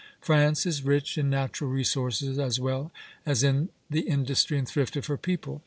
France is rich in natural resources as well as in the industry and thrift of her people.